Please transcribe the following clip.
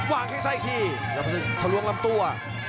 วางแค่งซ้ายอีกทียอมรักษึกทะลวงลำตัว